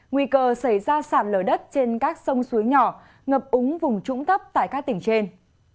nguy cơ xảy ra sạt lở đất trên các sông suối nhỏ ngập úng vùng trũng thấp tại các tỉnh trên